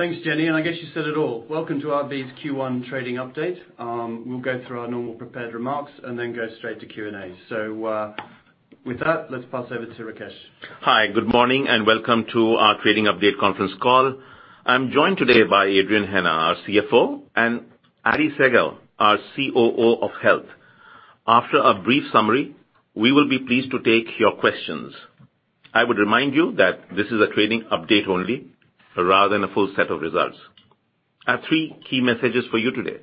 I guess you said it all. Welcome to RB's Q1 trading update. We'll go through our normal prepared remarks and then go straight to Q&A. With that, let's pass over to Rakesh. Hi, good morning and welcome to our trading update conference call. I'm joined today by Adrian Hennah, our CFO, and Aditya Sehgal, our COO of Health. After a brief summary, we will be pleased to take your questions. I would remind you that this is a trading update only rather than a full set of results. I have three key messages for you today.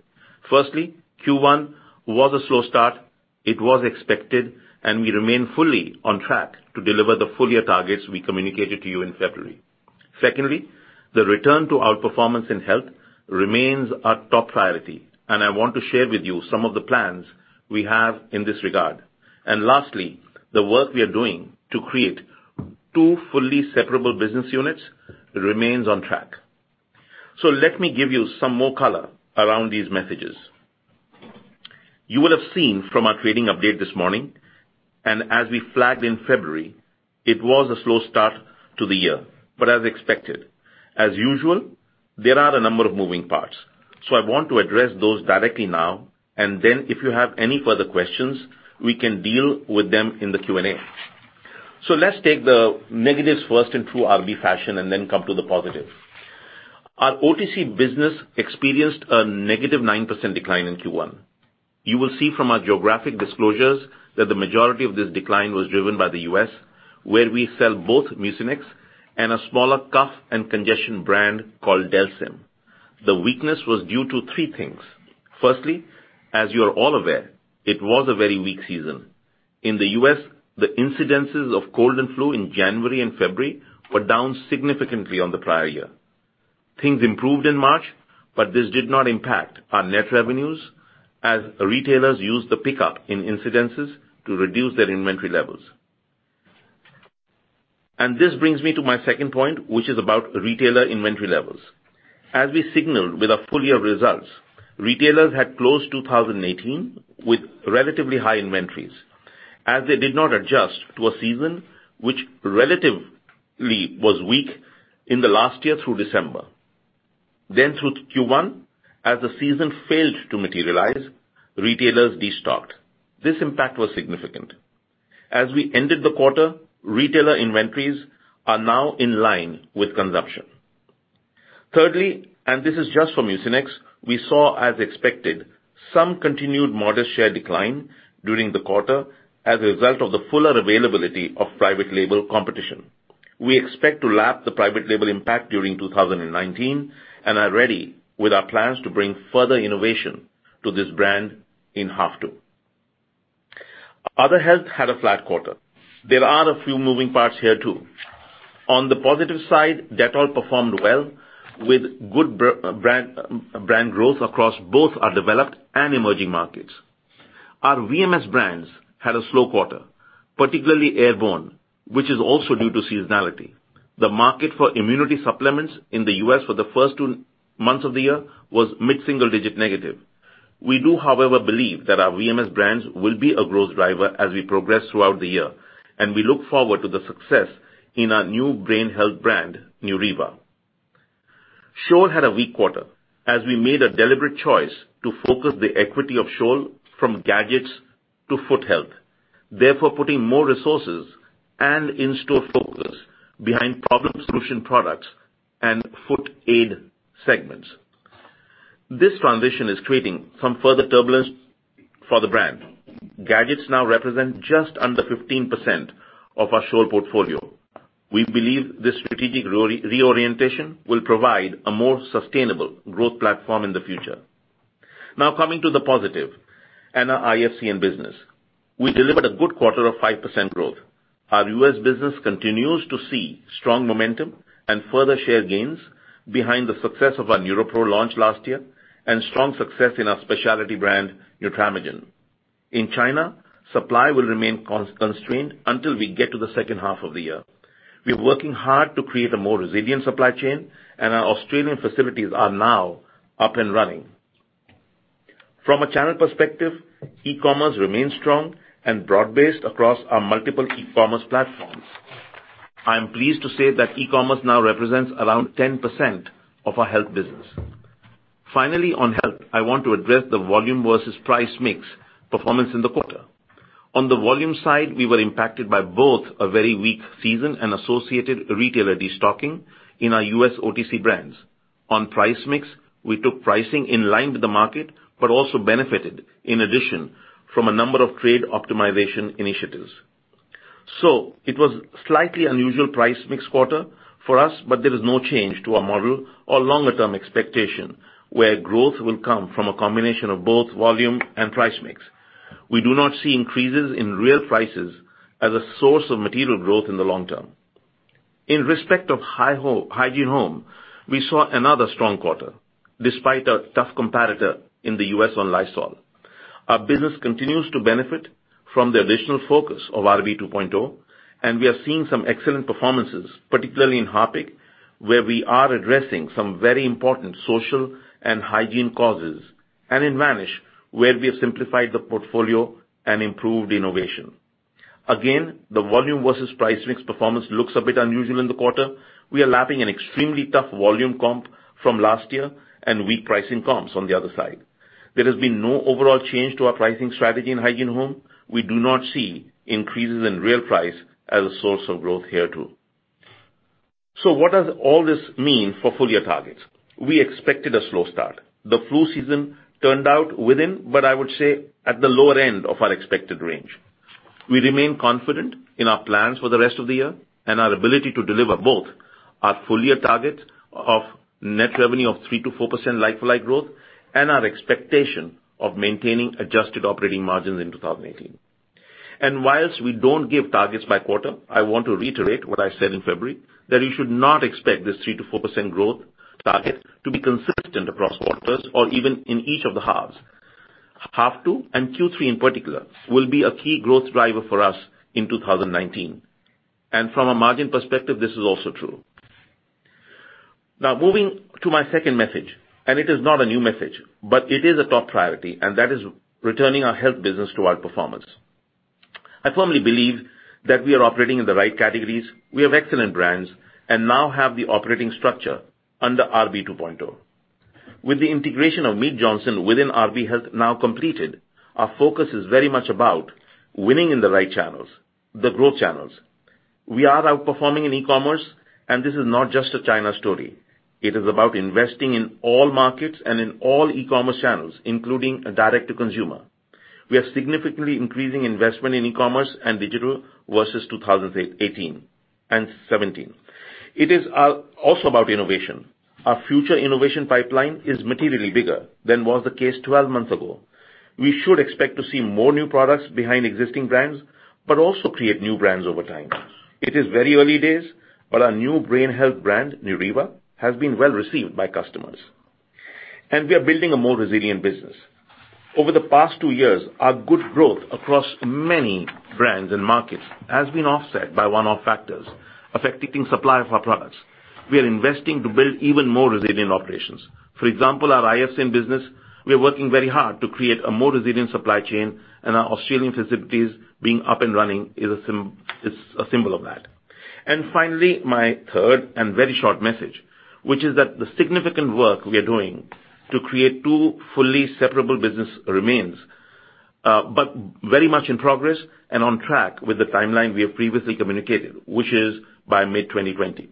Firstly, Q1 was a slow start. It was expected, we remain fully on track to deliver the full-year targets we communicated to you in February. Secondly, the return to outperformance in Health remains our top priority, and I want to share with you some of the plans we have in this regard. Lastly, the work we are doing to create two fully separable business units remains on track. Let me give you some more color around these messages. You will have seen from our trading update this morning, as we flagged in February, it was a slow start to the year, but as expected. As usual, there are a number of moving parts. I want to address those directly now, and then if you have any further questions, we can deal with them in the Q&A. Let's take the negatives first in true RB fashion, and then come to the positive. Our OTC business experienced a negative 9% decline in Q1. You will see from our geographic disclosures that the majority of this decline was driven by the U.S., where we sell both Mucinex and a smaller cough and congestion brand called Delsym. The weakness was due to three things. Firstly, as you are all aware, it was a very weak season. In the U.S., the incidences of cold and flu in January and February were down significantly on the prior year. Things improved in March, this did not impact our net revenues as retailers used the pickup in incidences to reduce their inventory levels. This brings me to my second point, which is about retailer inventory levels. As we signaled with our full-year results, retailers had closed 2018 with relatively high inventories as they did not adjust to a season which relatively was weak in the last year through December. Through Q1, as the season failed to materialize, retailers destocked. This impact was significant. As we ended the quarter, retailer inventories are now in line with consumption. Thirdly, this is just for Mucinex, we saw, as expected, some continued modest share decline during the quarter as a result of the fuller availability of private label competition. We expect to lap the private label impact during 2019 and are ready with our plans to bring further innovation to this brand in half two. Other health had a flat quarter. There are a few moving parts here too. On the positive side, Dettol performed well with good brand growth across both our developed and emerging markets. Our VMS brands had a slow quarter, particularly Airborne, which is also due to seasonality. The market for immunity supplements in the U.S. for the first two months of the year was mid-single digit negative. We do, however, believe that our VMS brands will be a growth driver as we progress throughout the year, and we look forward to the success in our new brain health brand, Neuriva. Scholl had a weak quarter as we made a deliberate choice to focus the equity of Scholl from gadgets to foot health, therefore putting more resources and in-store focus behind problem solution products and foot aid segments. This transition is creating some further turbulence for the brand. Gadgets now represent just under 15% of our Scholl portfolio. We believe this strategic reorientation will provide a more sustainable growth platform in the future. Coming to the positive and our IFCN and business. We delivered a good quarter of 5% growth. Our U.S. business continues to see strong momentum and further share gains behind the success of our NeuroPro launch last year and strong success in our specialty brand, Nutramigen. In China, supply will remain constrained until we get to the second half of the year. We are working hard to create a more resilient supply chain, and our Australian facilities are now up and running. From a channel perspective, e-commerce remains strong and broad-based across our multiple e-commerce platforms. I am pleased to say that e-commerce now represents around 10% of our health business. On health, I want to address the volume versus price mix performance in the quarter. On the volume side, we were impacted by both a very weak season and associated retailer destocking in our U.S. OTC brands. On price mix, we took pricing in line with the market, but also benefited in addition from a number of trade optimization initiatives. It was slightly unusual price mix quarter for us, but there is no change to our model or longer-term expectation, where growth will come from a combination of both volume and price mix. We do not see increases in real prices as a source of material growth in the long term. In respect of Hygiene Home, we saw another strong quarter, despite a tough competitor in the U.S. on Lysol. Our business continues to benefit from the additional focus of RB 2.0, and we are seeing some excellent performances, particularly in Harpic, where we are addressing some very important social and hygiene causes, and in Vanish, where we have simplified the portfolio and improved innovation. Again, the volume versus price mix performance looks a bit unusual in the quarter. We are lapping an extremely tough volume comp from last year and weak pricing comps on the other side. There has been no overall change to our pricing strategy in Hygiene Home. We do not see increases in real price as a source of growth here too. What does all this mean for full-year targets? We expected a slow start. The flu season turned out within, but I would say at the lower end of our expected range. We remain confident in our plans for the rest of the year and our ability to deliver both our full-year targets of net revenue of 3%-4% like-for-like growth and our expectation of maintaining adjusted operating margins in 2018. Whilst we don't give targets by quarter, I want to reiterate what I said in February, that you should not expect this 3%-4% growth target to be consistent across quarters or even in each of the halves. Half two and Q3 in particular will be a key growth driver for us in 2019. From a margin perspective, this is also true. Moving to my second message, and it is not a new message, but it is a top priority, and that is returning our health business to outperformance. I firmly believe that we are operating in the right categories. We have excellent brands and now have the operating structure under RB 2.0. With the integration of Mead Johnson within RB Health now completed, our focus is very much about winning in the right channels, the growth channels. We are outperforming in e-commerce, and this is not just a China story. It is about investing in all markets and in all e-commerce channels, including direct to consumer. We are significantly increasing investment in e-commerce and digital versus 2018 and 2017. It is also about innovation. Our future innovation pipeline is materially bigger than was the case 12 months ago. We should expect to see more new products behind existing brands, but also create new brands over time. It is very early days, but our new brain health brand, Neuriva, has been well received by customers. We are building a more resilient business. Over the past two years, our good growth across many brands and markets has been offset by one-off factors affecting supply of our products. We are investing to build even more resilient operations. For example, our IFCN business, we are working very hard to create a more resilient supply chain, and our Australian facilities being up and running is a symbol of that. Finally, my third and very short message, which is that the significant work we are doing to create two fully separable businesses remains, but very much in progress and on track with the timeline we have previously communicated, which is by mid-2020.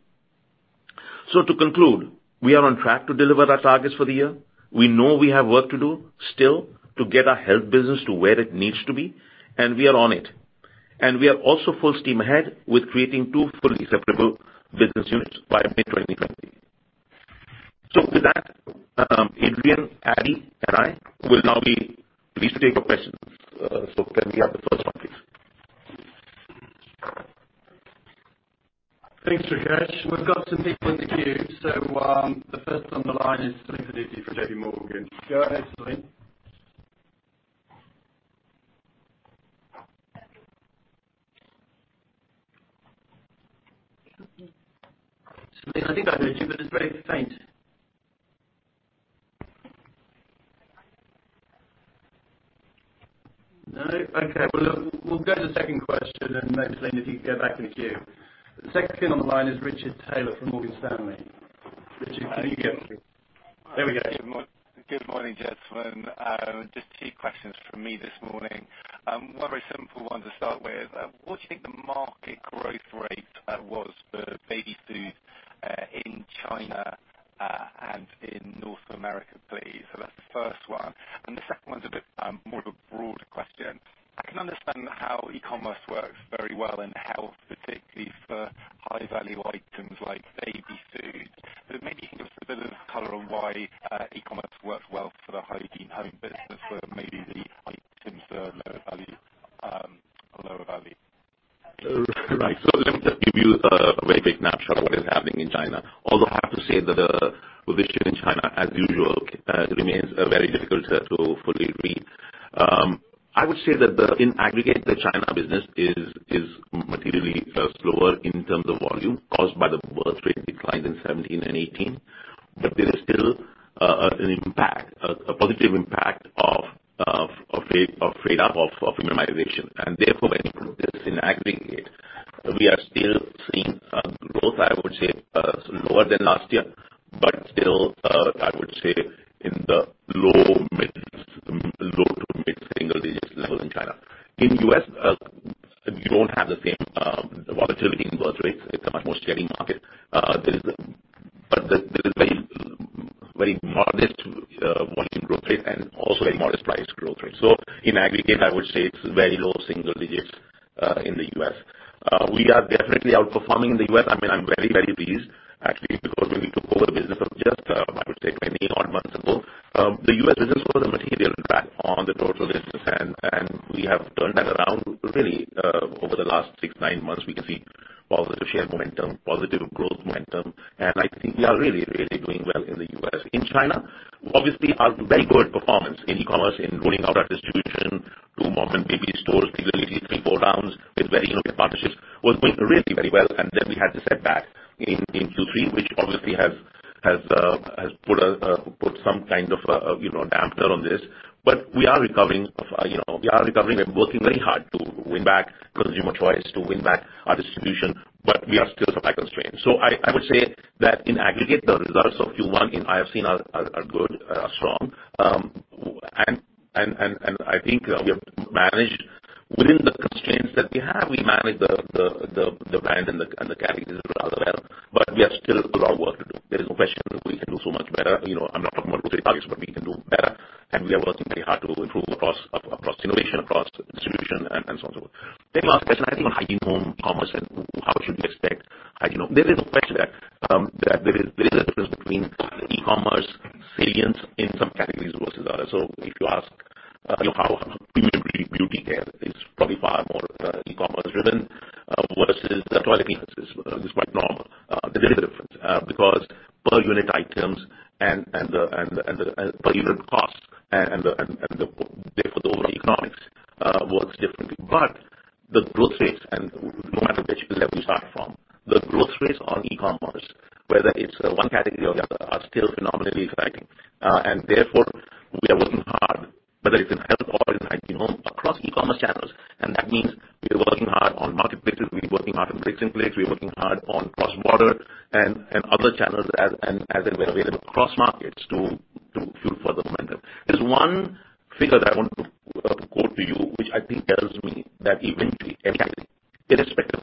To conclude, we are on track to deliver our targets for the year. We know we have work to do still to get our health business to where it needs to be, and we are on it. We are also full steam ahead with creating two fully separable business units by mid-2020. With that, Adrian, Adi, and I will now be pleased to take your questions. Can we have the first one, please? Thanks, Rakesh. We've got some people in the queue. The first on the line is Celine Pannuti for JPMorgan. Go ahead, Celine. Celine, I think I heard you, but it's very faint. No? Okay. Well, look, we'll go to the second question, maybe, Celine, if you could go back in the queue. The second on the line is Richard Taylor from Morgan Stanley. Richard, can you hear me? There we go. Good morning, gentlemen. Just two questions from me this morning. One very simple one to start with. What do you think the market growth rate was for baby food in China and in North America, please? That's the first one. The second one's a bit more of a broad question. I can understand how e-commerce works very well in health, particularly for high-value items like baby food. Maybe you can give us a bit of color on why e-commerce works well for the Hygiene Home business for maybe the items that are lower value. Right. Let me just give you a very quick snapshot of what is happening in China, although I have to say that the position in China, as usual, remains very difficult to fully read. I would say that in aggregate, the China business is materially slower in terms of volume caused by the birth rate decline in 2017 and 2018. There is still an impact, a positive impact of premiumization. Therefore, when you put this in aggregate, we are still seeing growth, I would say, lower than last year, but still, I would say in the low to mid-single digits level in China. In U.S., we don't have the same volatility in birth rates. It's a much more steady market. There is a very modest volume growth rate and also a modest price growth rate. In aggregate, I would say it's very low single digits in the U.S. We are definitely outperforming in the U.S. I'm very, very pleased actually, because we took over the business of just, I would say, 20-odd months ago. The U.S. business was a material drag on the total business, we have turned that around really over the last six, nine months. We can see positive share momentum, positive growth momentum, I think we are really, really doing well in the U.S. In China, obviously our very good performance in e-commerce, in rolling out our distribution to modern baby stores, particularly three, four rounds with very innovative partnerships, was going really very well, then we had the setback in Q3, which obviously Has put some kind of damper on this. We are recovering and working very hard to win back consumer choice, to win back our distribution, but we are still supply constrained. I would say that in aggregate, the results of Q1 in IFCN are good, are strong. I think we have managed within the constraints that we have. We managed the brand and the categories rather well, but we have still a lot of work to do. There is no question. We can do so much better. I'm not talking about rotary targets, but we can do better, and we are working very hard to improve across innovation, across distribution, and so on, so forth. Last question, I think, on Hygiene Home commerce and how should we expect Hygiene Home. There is no question that there is a difference between e-commerce penetrance in some categories versus others. If you ask how beauty care is probably far more e-commerce driven versus toilet papers is quite normal. There is a difference, because per unit items and per unit cost and therefore the overall economics works differently. The growth rates and no matter which level you start from, the growth rates on e-commerce, whether it's one category or the other, are still phenomenally exciting. Therefore, we are working hard, whether it's in health or in Hygiene Home, across e-commerce channels. That means we are working hard on marketplaces, we're working hard on bricks and clicks, we're working hard on cross-border and other channels as and when available across markets to fuel further momentum. There's one figure that I want to quote to you, which I think tells me that eventually every category, irrespective of the market,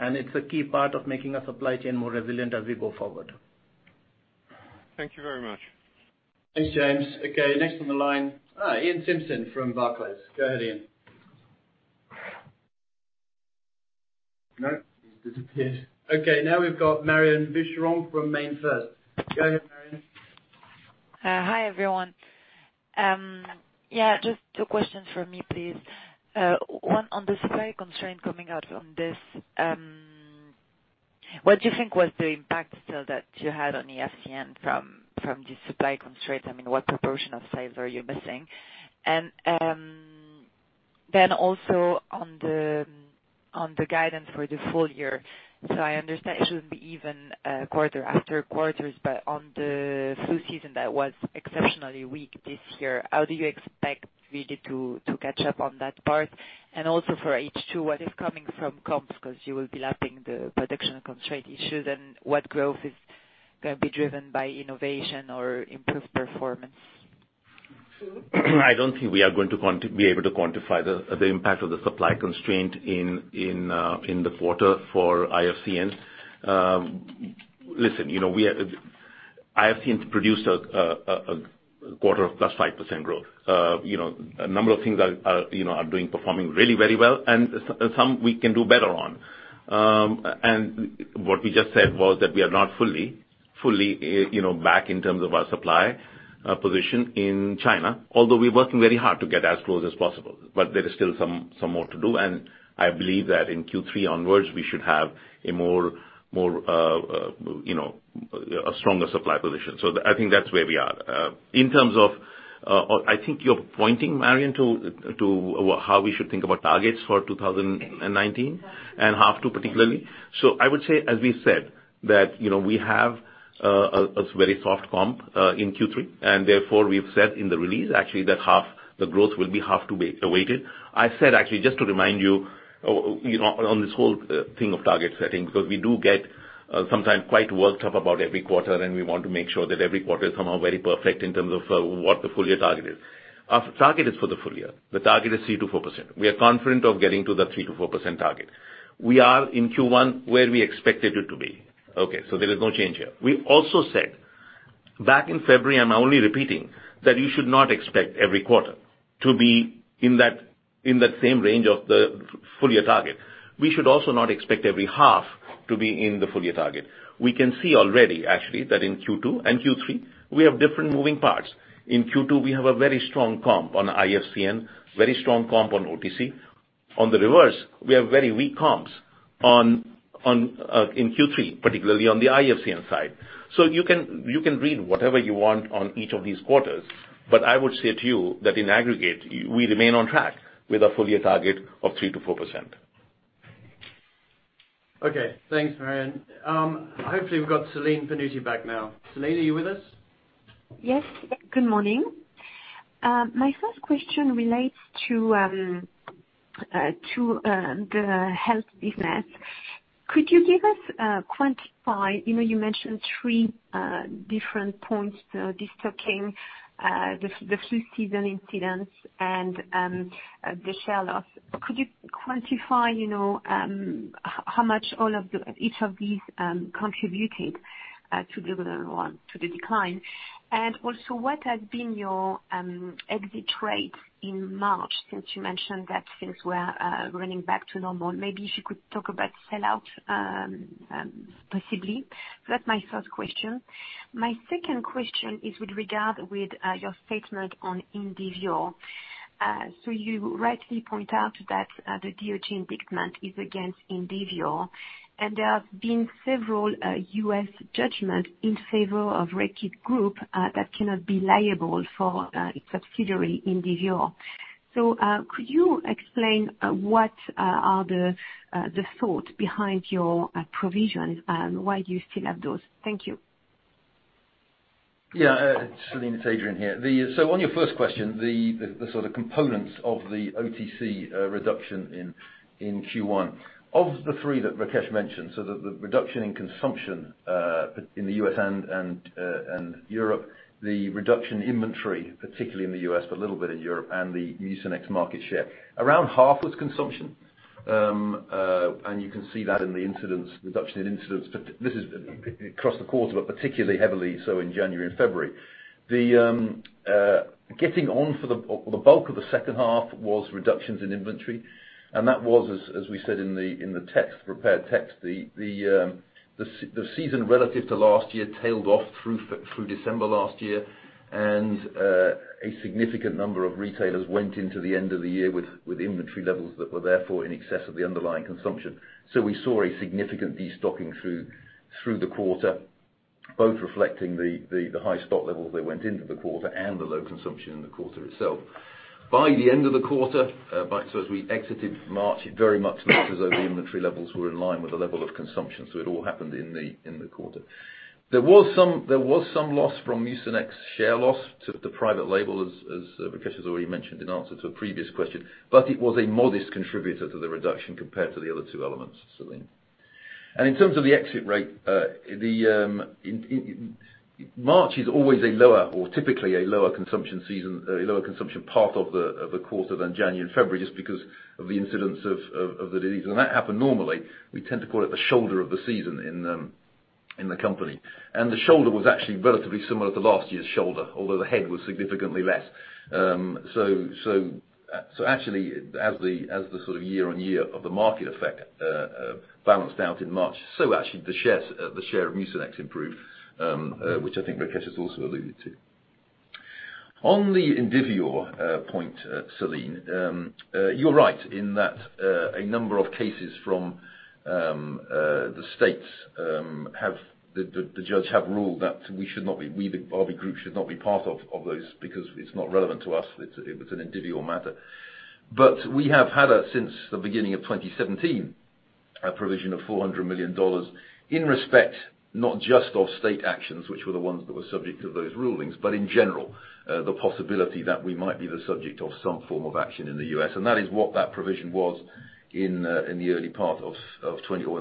it's a key part of making our supply chain more resilient as we go forward. Thank you very much. Thanks, James. Next on the line, Iain Simpson from Barclays. Go ahead, Iain. No, he's disappeared. Now we've got Marion Vizuron from MainFirst. Go ahead, Marion. Hi, everyone. Just two questions from me, please. One on the supply constraint coming out from this. What do you think was the impact that you had on the IFCN from the supply constraint? I mean, what proportion of sales are you missing? Also on the guidance for the full year. I understand it shouldn't be even quarter after quarters, but on the flu season that was exceptionally weak this year, how do you expect really to catch up on that part? Also for H2, what is coming from comps? Because you will be lapping the production constraint issues and what growth is going to be driven by innovation or improved performance? I don't think we are going to be able to quantify the impact of the supply constraint in the quarter for IFCN. Listen, IFCN produced a quarter of plus 5% growth. A number of things are performing really well and some we can do better on. What we just said was that we are not fully back in terms of our supply position in China, although we're working very hard to get as close as possible. There is still some more to do, and I believe that in Q3 onwards we should have a stronger supply position. I think that's where we are. In terms of, I think you're pointing, Marion, to how we should think about targets for 2019 and half two particularly. I would say, as we said, that we have a very soft comp in Q3 and therefore we have said in the release actually that the growth will be half to be awaited. I said actually, just to remind you on this whole thing of target setting, because we do get sometimes quite worked up about every quarter, and we want to make sure that every quarter is somehow very perfect in terms of what the full year target is. Our target is for the full year. The target is 3%-4%. We are confident of getting to the 3%-4% target. We are in Q1 where we expected it to be. There is no change here. We also said back in February, I'm only repeating, that you should not expect every quarter to be in that same range of the full year target. We should also not expect every half to be in the full year target. We can see already actually that in Q2 and Q3 we have different moving parts. In Q2, we have a very strong comp on IFCN, very strong comp on OTC. On the reverse, we have very weak comps in Q3, particularly on the IFCN side. You can read whatever you want on each of these quarters, but I would say to you that in aggregate we remain on track with our full year target of 3%-4%. Okay, thanks, Marion. Hopefully we've got Celine Pannuti back now. Celine, are you with us? Yes. Good morning. My first question relates to the health business. Could you give us, quantify, you mentioned three different points, the destocking, the flu season incidence and the selloff. Could you quantify how much each of these contributed to the decline? What has been your exit rates in March, since you mentioned that things were running back to normal. Maybe if you could talk about selloff possibly. That's my first question. My second question is with regard with your statement on Indivior. You rightly point out that the indictment is against Indivior, and there have been several U.S. judgments in favor of Reckitt Group that cannot be liable for its subsidiary, Indivior. Could you explain what are the thoughts behind your provisions and why do you still have those? Thank you. Yeah. Celine, it's Adrian here. On your first question, the sort of components of the OTC reduction in Q1. Of the three that Rakesh mentioned, the reduction in consumption in the U.S. and Europe, the reduction in inventory, particularly in the U.S., but a little bit in Europe and the Mucinex market share, around half was consumption. You can see that in the reduction in incidents. This is across the quarter, but particularly heavily so in January and February. Getting on for the bulk of the second half was reductions in inventory, and that was, as we said in the prepared text. The season relative to last year tailed off through December last year, and a significant number of retailers went into the end of the year with inventory levels that were therefore in excess of the underlying consumption. We saw a significant de-stocking through the quarter, both reflecting the high stock levels that went into the quarter and the low consumption in the quarter itself. By the end of the quarter, as we exited March, it very much looks as though the inventory levels were in line with the level of consumption. It all happened in the quarter. There was some loss from Mucinex share loss to the private label, as Rakesh has already mentioned in answer to a previous question. It was a modest contributor to the reduction compared to the other two elements, Celine. In terms of the exit rate, March is always a lower or typically a lower consumption season, a lower consumption part of the quarter than January and February, just because of the incidence of the disease. When that happened normally, we tend to call it the shoulder of the season in the company. The shoulder was actually relatively similar to last year's shoulder, although the head was significantly less. Actually, as the sort of year on year of the market effect balanced out in March, actually the share of Mucinex improved, which I think Rakesh has also alluded to. On the Indivior point, Celine, you are right in that a number of cases from the states have the judge have ruled that we, the RB Group, should not be part of those, because it is not relevant to us. It is an Indivior matter. We have had, since the beginning of 2017, a provision of GBP 400 million in respect, not just of state actions, which were the ones that were subject to those rulings, but in general, the possibility that we might be the subject of some form of action in the U.S. That is what that provision was in the early part of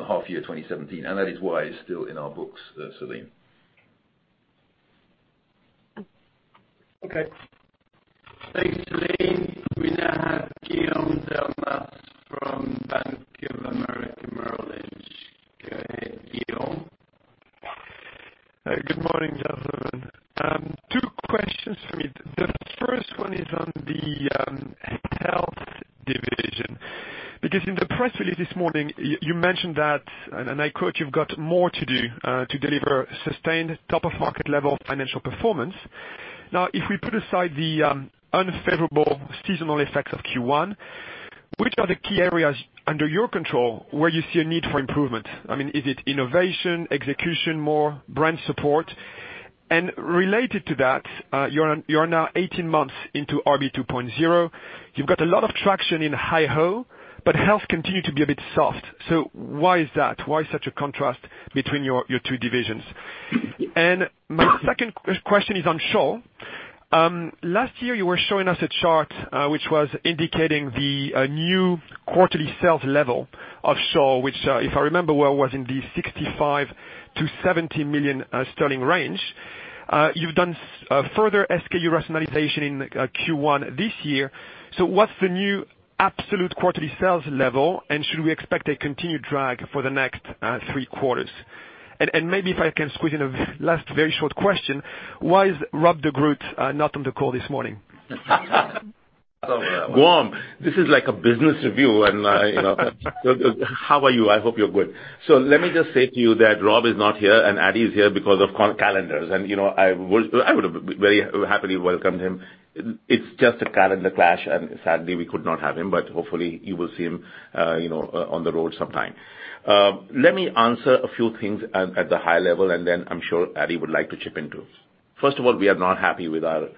half year 2017, and that is why it is still in our books, Celine. Okay. Thanks, Celine. We now have Guillaume Delmas from Bank of America Merrill Lynch. Go ahead, Guillaume. Good morning, gentlemen. Two questions for me. The first one is on the health division, because in the press release this morning, you mentioned that, and I quote, "You've got more to do to deliver sustained top of market level financial performance." If we put aside the unfavorable seasonal effects of Q1, which are the key areas under your control where you see a need for improvement? Is it innovation, execution, more brand support? Related to that, you are now 18 months into RB 2.0. You've got a lot of traction in HyHo, but health continued to be a bit soft. Why is that? Why such a contrast between your two divisions? My second question is on Scholl. Last year you were showing us a chart which was indicating the new quarterly sales level of Scholl. Which, if I remember well, was in the 65 million-70 million sterling range. You've done further SKU rationalization in Q1 this year. What's the new absolute quarterly sales level, and should we expect a continued drag for the next three quarters? Maybe if I can squeeze in a last very short question, why is Rob de Groot not on the call this morning? Guillaume, this is like a business review and how are you? I hope you're good. Let me just say to you that Rob is not here and Adi is here because of calendars, and I would have very happily welcomed him. It's just a calendar clash, and sadly, we could not have him, but hopefully you will see him on the road sometime. Let me answer a few things at the high level, and then I'm sure Adi would like to chip in, too. First of all, we are not happy with our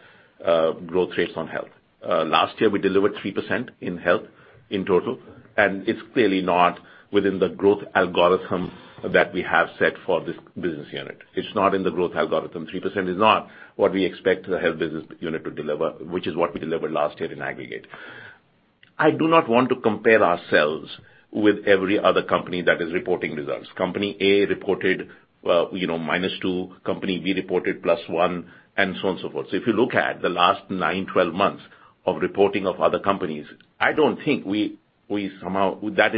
growth rates on health. Last year, we delivered 3% in health in total, and it's clearly not within the growth algorithm that we have set for this business unit. It's not in the growth algorithm. 3% is not what we expect the health business unit to deliver, which is what we delivered last year in aggregate. I do not want to compare ourselves with every other company that is reporting results. Company A reported -2%, company B reported +1%, and so on and so forth. If you look at the last nine, 12 months of reporting of other companies, I don't think that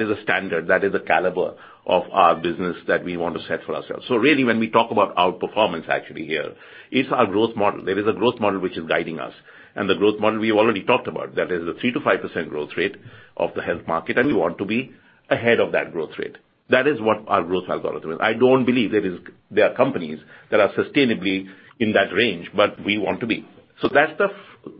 is a standard, that is a caliber of our business that we want to set for ourselves. Really, when we talk about our performance actually here, it's our growth model. There is a growth model which is guiding us, and the growth model we've already talked about. That is a 3%-5% growth rate of the health market, and we want to be ahead of that growth rate. That is what our growth algorithm is. I don't believe there are companies that are sustainably in that range, but we want to be. That's the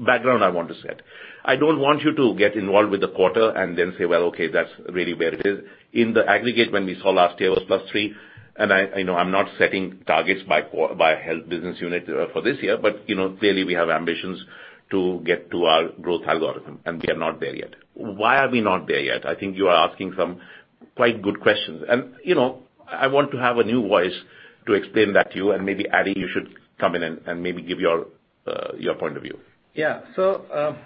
background I want to set. I don't want you to get involved with the quarter and then say, "Well, okay, that's really where it is." In the aggregate, when we saw last year was +3%, I'm not setting targets by Health business unit for this year. Clearly, we have ambitions to get to our growth algorithm, and we are not there yet. Why are we not there yet? I think you are asking some quite good questions, and I want to have a new voice to explain that to you. Maybe Adi, you should come in and maybe give your point of view.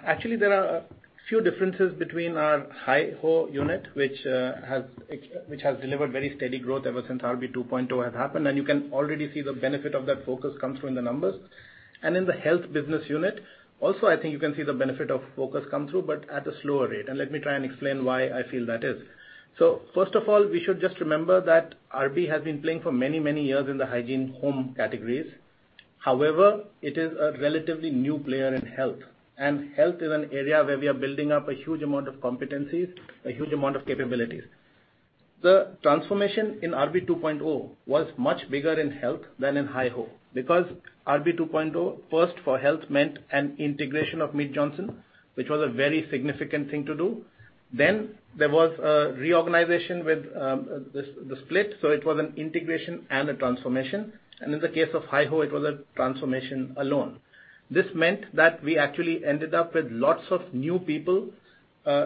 Actually there are a few differences between our HyHo unit, which has delivered very steady growth ever since RB2.0 has happened, and you can already see the benefit of that focus comes through in the numbers. In the Health business unit, also, I think you can see the benefit of focus come through, but at a slower rate, and let me try and explain why I feel that is. First of all, we should just remember that RB has been playing for many years in the Hygiene Home categories. However, it is a relatively new player in Health, and Health is an area where we are building up a huge amount of competencies, a huge amount of capabilities. The transformation in RB2.0 was much bigger in Health than in HyHo, because RB2.0 first for Health meant an integration of Mead Johnson, which was a very significant thing to do. There was a reorganization with the split, so it was an integration and a transformation. In the case of HyHo, it was a transformation alone. This meant that we actually ended up with lots of new people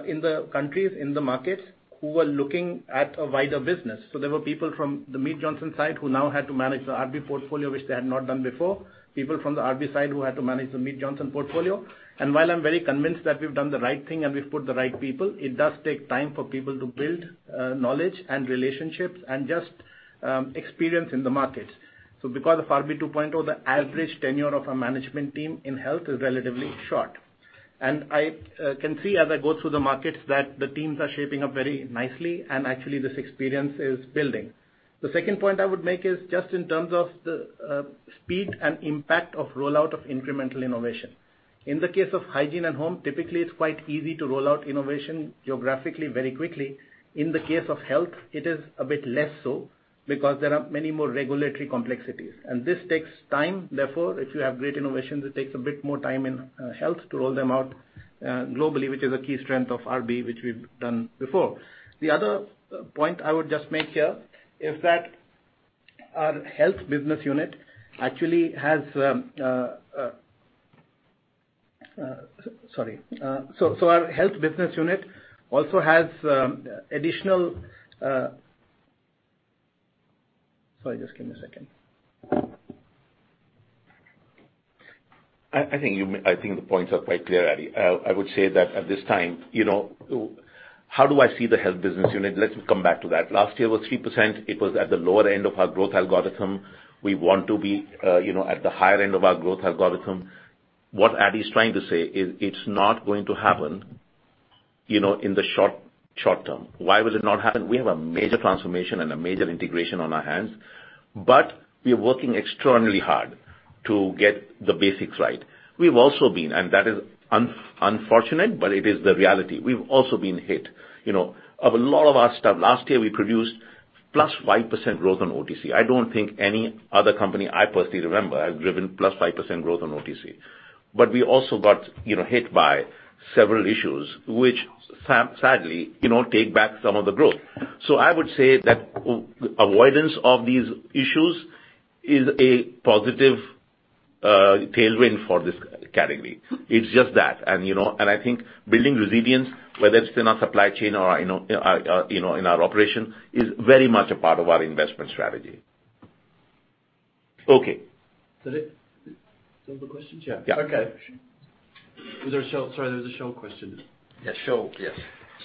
in the countries, in the markets, who were looking at a wider business. There were people from the Mead Johnson side who now had to manage the RB portfolio, which they had not done before. People from the RB side who had to manage the Mead Johnson portfolio. While I'm very convinced that we've done the right thing and we've put the right people, it does take time for people to build knowledge and relationships, and just experience in the markets. Because of RB2.0, the average tenure of a management team in Health is relatively short. I can see as I go through the markets, that the teams are shaping up very nicely and actually this experience is building. The second point I would make is just in terms of the speed and impact of rollout of incremental innovation. In the case of Hygiene Home, typically it's quite easy to roll out innovation geographically very quickly. In the case of Health, it is a bit less so because there are many more regulatory complexities. This takes time, therefore, if you have great innovations, it takes a bit more time in health to roll them out globally, which is a key strength of RB, which we've done before. The other point I would just make here is that our health business unit actually has additional. I think the points are quite clear, Adi. I would say that at this time, how do I see the health business unit? Let's come back to that. Last year was 3%. It was at the lower end of our growth algorithm. We want to be at the higher end of our growth algorithm. What Adi is trying to say is it's not going to happen in the short term. Why would it not happen? We have a major transformation and a major integration on our hands, we are working extremely hard to get the basics right. That is unfortunate, it is the reality. We've also been hit. Of a lot of our stuff, last year we produced plus 5% growth on OTC. I don't think any other company I personally remember has driven plus 5% growth on OTC. We also got hit by several issues which sadly take back some of the growth. I would say that avoidance of these issues is a positive tailwind for this category. It's just that. I think building resilience, whether it's in our supply chain or in our operations, is very much a part of our investment strategy. Okay. Is that it? Is that all the questions? Yeah. Okay. Sorry, there was a Scholl question. Yeah, Scholl. Yes.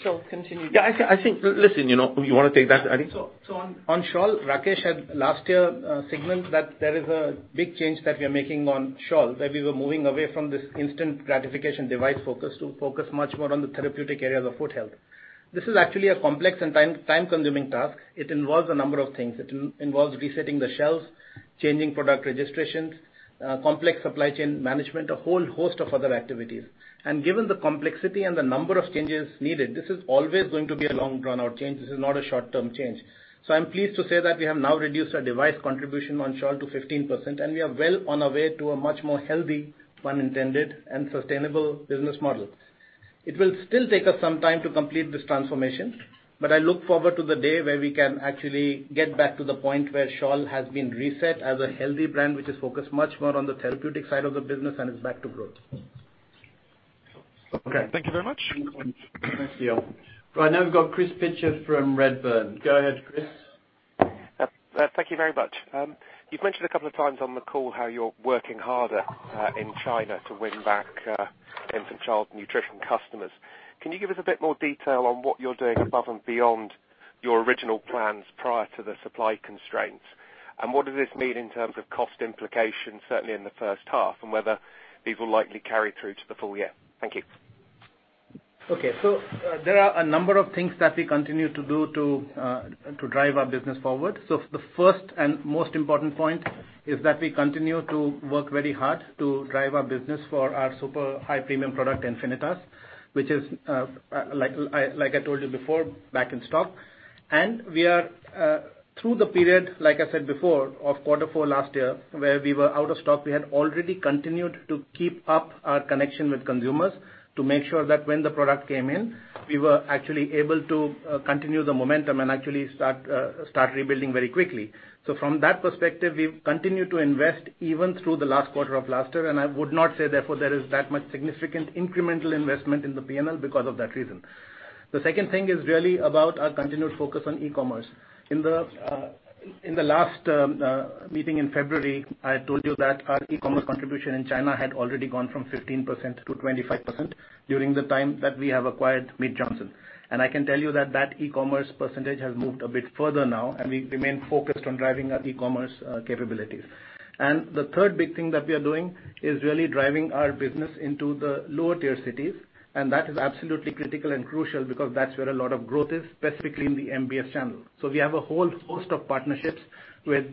Scholl, continue. Yeah, I think Listen, you want to take that, Adi? On Scholl, Rakesh had last year signaled that there is a big change that we are making on Scholl, that we were moving away from this instant gratification device focus to focus much more on the therapeutic areas of foot health. This is actually a complex and time-consuming task. It involves a number of things. It involves resetting the shelves, changing product registrations, complex supply chain management, a whole host of other activities. Given the complexity and the number of changes needed, this is always going to be a long drawn-out change. This is not a short-term change. I'm pleased to say that we have now reduced our device contribution on Scholl to 15%, and we are well on our way to a much more healthy, pun intended, and sustainable business model. It will still take us some time to complete this transformation, I look forward to the day where we can actually get back to the point where Scholl has been reset as a healthy brand, which is focused much more on the therapeutic side of the business and is back to growth. Okay. Thank you very much. Thanks Guill. Right, now we've got Chris Pitcher from Redburn. Go ahead, Chris. Thank you very much. You've mentioned a couple of times on the call how you're working harder in China to win back Infant Formula and Child Nutrition customers. Can you give us a bit more detail on what you're doing above and beyond your original plans prior to the supply constraints? What does this mean in terms of cost implications, certainly in the first half, and whether these will likely carry through to the full year? Thank you. Okay. There are a number of things that we continue to do to drive our business forward. The first and most important point is that we continue to work very hard to drive our business for our super high-premium product, Enfinitas, which is, like I told you before, back in stock. We are through the period, like I said before, of quarter four last year, where we were out of stock. We had already continued to keep up our connection with consumers to make sure that when the product came in, we were actually able to continue the momentum and actually start rebuilding very quickly. From that perspective, we've continued to invest even through the last quarter of last year, and I would not say, therefore, there is that much significant incremental investment in the P&L because of that reason. The second thing is really about our continued focus on e-commerce. In the last meeting in February, I told you that our e-commerce contribution in China had already gone from 15% to 25% during the time that we have acquired Mead Johnson. I can tell you that that e-commerce percentage has moved a bit further now, and we remain focused on driving our e-commerce capabilities. The third big thing that we are doing is really driving our business into the lower tier cities, and that is absolutely critical and crucial because that's where a lot of growth is, specifically in the MBS channel. We have a whole host of partnerships with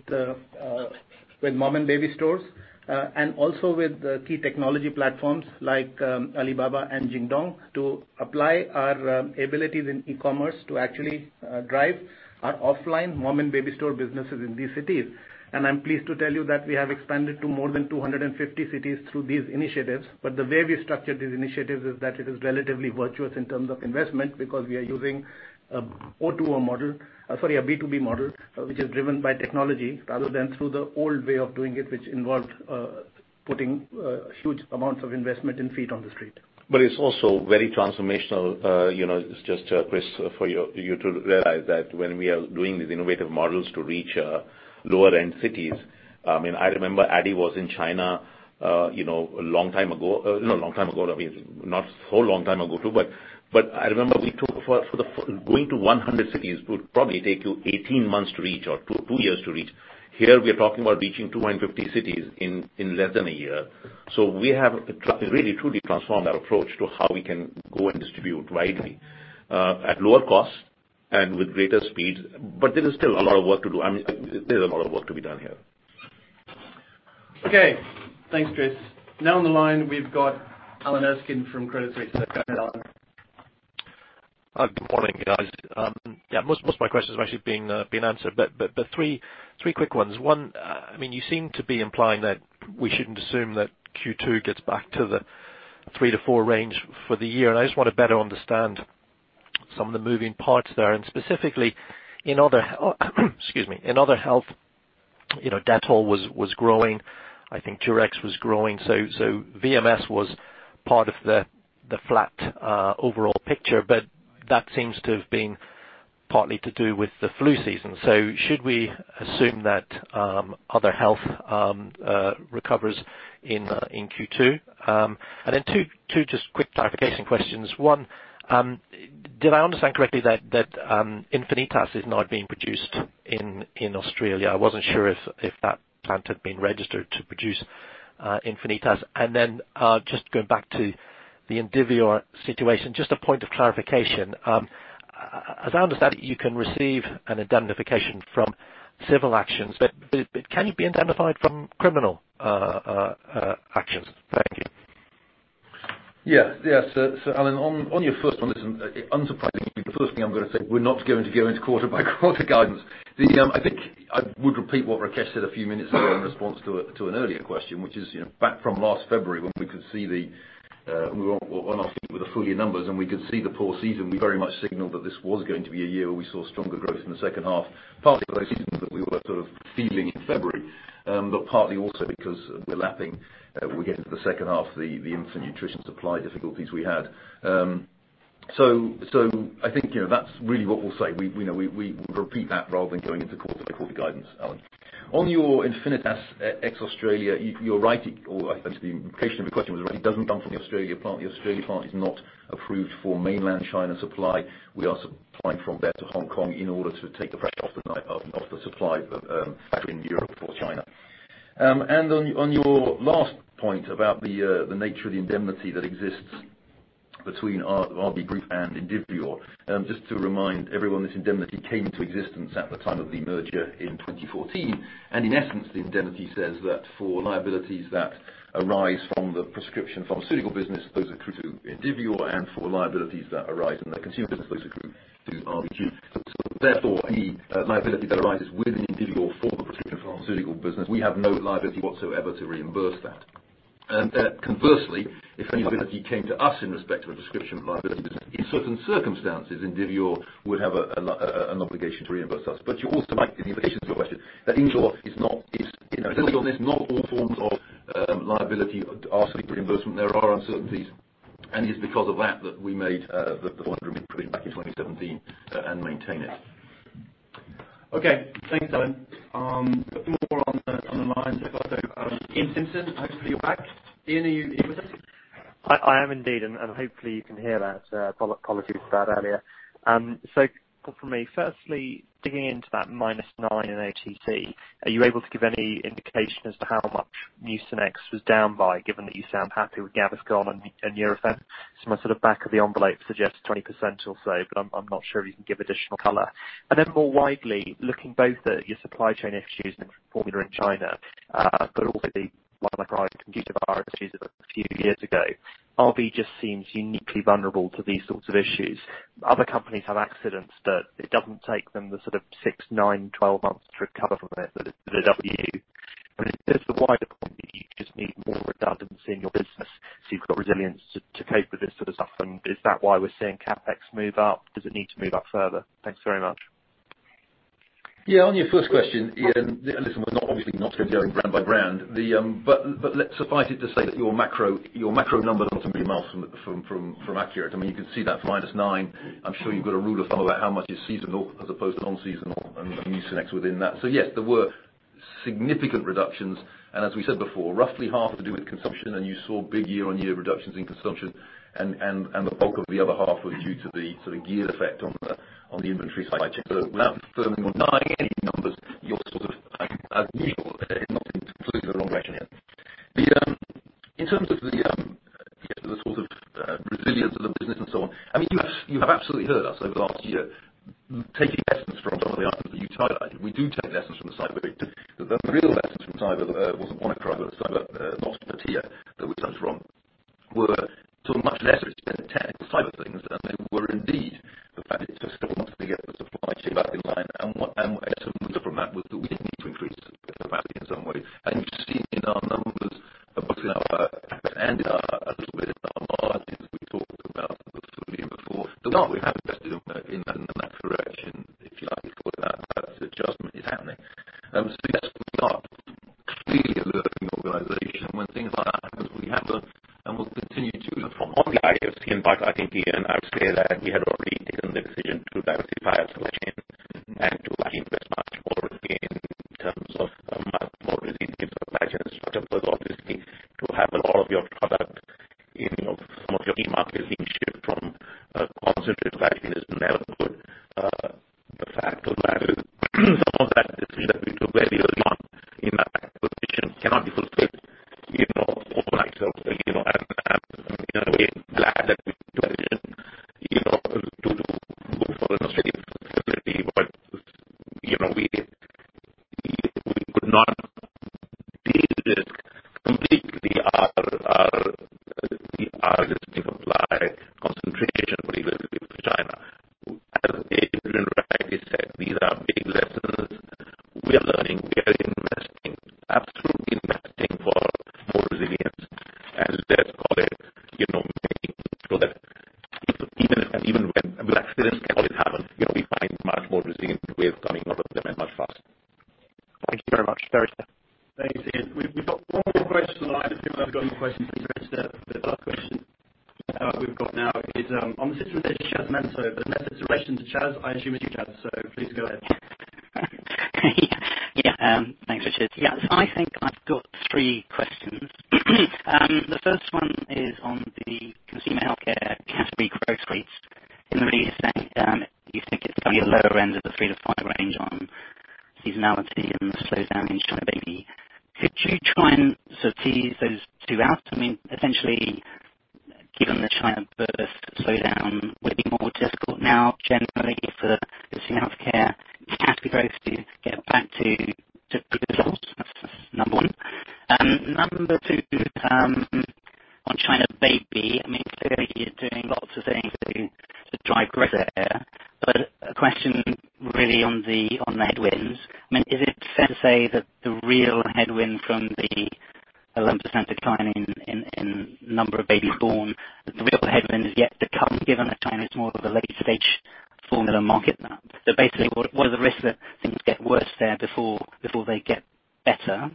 mom and baby stores, and also with key technology platforms like Alibaba and Jingdong, to apply our abilities in e-commerce to actually drive our offline mom and baby store businesses in these cities. I'm pleased to tell you that we have expanded to more than 250 cities through these initiatives. The way we structured these initiatives is that it is relatively virtuous in terms of investment because we are using a B2B model, which is driven by technology rather than through the old way of doing it, which involved putting huge amounts of investment and feet on the street. It's also very transformational, just, Chris, for you to realize that when we are doing these innovative models to reach lower-end cities. I remember Adi was in China a long time ago. Not a long time ago, not so long time ago, too, but I remember going to 100 cities would probably take you 18 months to reach or two years to reach. Here we are talking about reaching 250 cities in less than a year. We have really truly transformed our approach to how we can go and distribute widely at lower cost and with greater speed. There is still a lot of work to do. There's a lot of work to be done here. Okay. Thanks, Chris. On the line, we've got Alan Erskine from Credit Suisse. Go ahead, Alan. Good morning, guys. Most of my questions have actually been answered, three quick ones. One, you seem to be implying that we shouldn't assume that Q2 gets back to the three to four range for the year. I just want to better understand some of the moving parts there, and specifically in other excuse me, in other health, Dettol was growing. I think Durex was growing. VMS was part of the flat overall picture, but that seems to have been partly to do with the flu season. Should we assume that other health recovers in Q2? Two just quick clarification questions. One, did I understand correctly that Enfinitas is not being produced in Australia? I wasn't sure if that plant had been registered to produce Enfinitas. Just going back to the Indivior situation, just a point of clarification. As I understand it, you can receive an indemnification from civil actions, but can you be indemnified from criminal actions? Thank you. Yeah. Alan, on your first one, unsurprisingly, the first thing I'm going to say, we're not going to go into quarter by quarter guidance. I think I would repeat what Rakesh said a few minutes ago in response to an earlier question, which is, back from last February when we went off with the full year numbers and we could see the poor season, we very much signaled that this was going to be a year where we saw stronger growth in the second half, partly because that we were sort of feeling in February, but partly also because we're lapping, we're getting to the second half, the infant nutrition supply difficulties we had. I think, that's really what we'll say. We repeat that rather than going into quarter by quarter guidance, Alan. On your Enfinitas ex Australia, you're right. To the implication of your question, it doesn't come from the Australia plant. The Australia plant is not approved for mainland China supply. We are supplying from there to Hong Kong in order to take the pressure off the supply factory in Europe for China. On your last point about the nature of the indemnity that exists between RB Group and Indivior. Just to remind everyone, this indemnity came into existence at the time of the merger in 2014. In essence, the indemnity says that for liabilities that arise from the prescription pharmaceutical business, those accrue to Indivior, and for liabilities that arise in the consumer business, those accrue to RBG. Therefore, any liability that arises within Indivior for the prescription pharmaceutical business, we have no liability whatsoever to reimburse that. Conversely, if any liability came to us in respect of a prescription liability business, in certain circumstances, Indivior would have an obligation to reimburse us. You also make the implications of your question that Indivior is not all forms of liability are subject to reimbursement. There are uncertainties, and it's because of that that we made the 400 million put back in 2017 and maintain it. Okay, thanks, Alan. A few more on the line. If I go to Iain Simpson. Hopefully you're back. Iain, are you with us? I am indeed, hopefully you can hear that. Apologies about earlier. Couple from me. Firstly, digging into that minus nine in OTC, are you able to give any indication as to how much Mucinex was down by, given that you sound happy with Gaviscon and Nurofen? My sort of back of the envelope suggests 20% or so, but I'm not sure if you can give additional color. Then more widely, looking both at your supply chain issues and formula in China, but also the Lamictal issues of a few years ago, RB just seems uniquely vulnerable to these sorts of issues. Other companies have accidents, but it doesn't take them the sort of six, nine, 12 months to recover from it that it does you. Is this the wider point, that you just need more redundancy in your business so you've got resilience to cope with this sort of stuff? Is that why we're seeing CapEx move up? Does it need to move up further? Thanks very much. On your first question, Iain, listen, we're obviously not going to go brand by brand. Suffice it to say that your macro numbers aren't a mile from accurate. You can see that minus nine. I'm sure you've got a rule of thumb about how much is seasonal as opposed to non-seasonal, and you synchs within that. Yes, there were significant reductions, and as we said before, roughly half have to do with consumption, and you saw big year-on-year reductions in consumption, and the bulk of the other half were due to the sort of gear effect on the inventory side. Without affirming or denying any numbers, you're sort of, as usual, not completely the wrong direction here. In terms of the sort of resilience of the business and so on, you have absolutely heard us over the last year taking lessons from some of the items that you highlighted. We do take lessons from the cyber attack. The real lessons from cyber wasn't Monaco, it fair to say that the real headwind from the 11% decline in number of babies born, the real headwind is yet to come, given that China is more of a late-stage formula market now? Basically, what are the risks that things get worse there before they get better?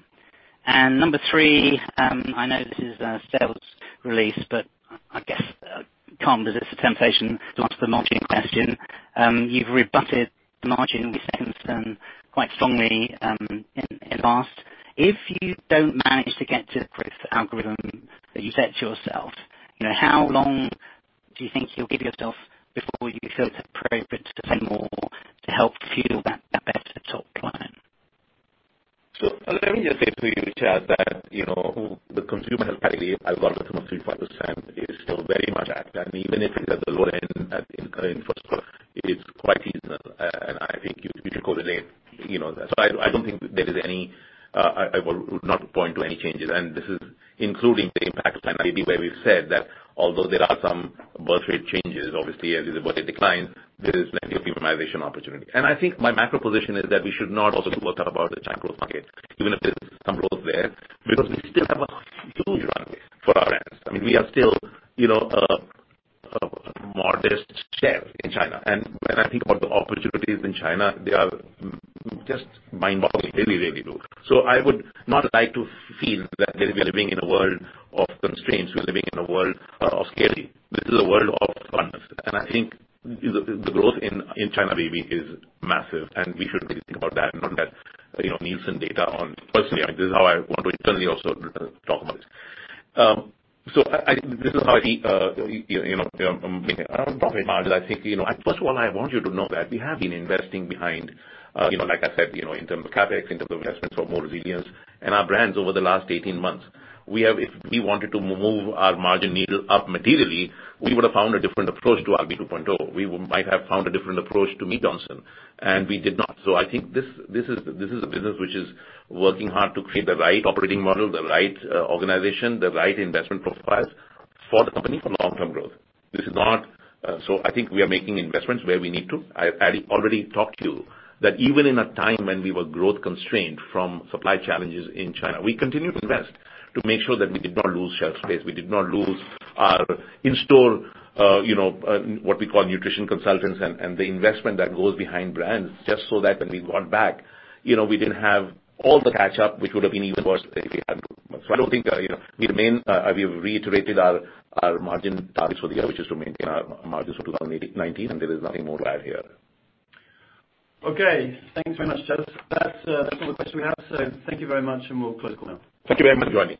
Number three, I know this is a sales release, but I guess I can't resist the temptation to ask the margin question. You've rebutted the margin questions quite strongly in last. If you don't manage to get to the growth algorithm that you set yourself, how long do you think you'll give yourself before you feel it's appropriate to spend more to help fuel that better top line? Let me just say to you, Chas, that the consumer health category algorithm of 3-5% is still very much at play, even if it is at the lower end at current forecast, it is quite reasonable. I think you should call it a day. I would not point to any changes. This is including the impact of China Baby, where we've said that although there are some birth rate changes, obviously as there's a birth rate decline, there is plenty of urbanization opportunity. I think my macro position is that we should not also be worked up about the China growth market, even if there's some growth there, because we still have a huge runway for our brands. We are still a modest share in China. When I think about the opportunities in China, they are just mind-boggling. They really do. I would not like to feel that we are living in a world of constraints, we're living in a world of scarcity. This is a world of abundance, I think the growth in China Baby is massive, and we should really think about that. Personally, this is how I want to internally also talk about this. This is how I see. Around profit margins, I think, first of all, I want you to know that we have been investing behind, like I said, in terms of CapEx, in terms of investments for more resilience in our brands over the last 18 months. If we wanted to move our margin needle up materially, we would have found a different approach to RB 2.0. We might have found a different approach to Mead Johnson, we did not. I think this is a business which is working hard to create the right operating model, the right organization, the right investment profiles for the company for long-term growth. I think we are making investments where we need to. I already talked to you that even in a time when we were growth-constrained from supply challenges in China, we continued to invest to make sure that we did not lose shelf space, we did not lose our in-store what we call nutrition consultants and the investment that goes behind brands, just so that when we got back, we didn't have all the catch-up, which would have been even worse if we hadn't. I don't think we have reiterated our margin targets for the year, which is to maintain our margins for 2019, and there is nothing more to add here. Okay. Thanks very much, Chas. That's all the questions we have. Thank you very much, and we'll close the call now. Thank you very much for joining.